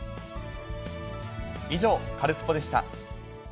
以上、カルスポっ！でした。